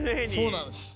そうなんです。